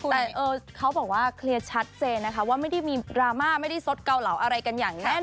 แต่เขาบอกว่าเคลียร์ชัดเจนนะคะว่าไม่ได้มีดราม่าไม่ได้สดเกาเหลาอะไรกันอย่างแน่นอ